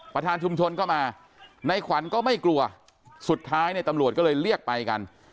ประธานชุมชนก็มาในขวัญก็ไม่กลัวสุดท้ายเนี่ยตำรวจก็เลยเรียกไปกัน